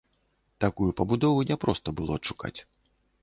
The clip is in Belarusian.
Такую пабудову няпроста было адшукаць.